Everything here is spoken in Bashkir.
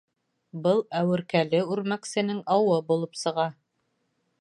Был әүеркәле үрмәксенең ауы булып сыға.